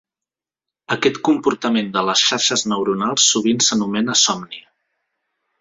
Aquest comportament de les xarxes neuronals sovint s'anomena somni.